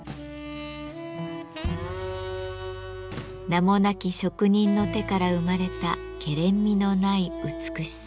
名もなき職人の手から生まれたけれんみのない美しさ。